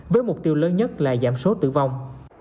với mục tiêu lớn nhất là giảm số tử vong